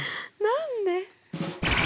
何で！？